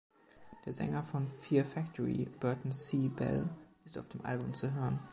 Der Sänger von „Fear Factory“, Burton C. Bell, ist auf dem Album zu hören.